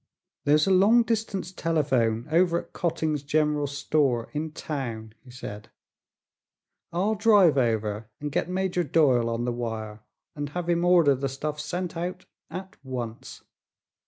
"There's a long distance telephone over at Cotting's General Store, in town," he said. "I'll drive over and get Major Doyle on the wire and have him order the stuff sent out at once."